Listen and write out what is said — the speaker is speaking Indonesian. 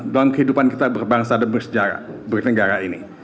dalam kehidupan kita berbangsa dan bersejarah bernegara ini